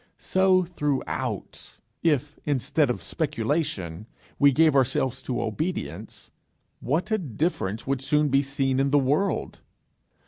So throughout: if, instead of speculation, we gave ourselves to obedience, what a difference would soon be seen in the world!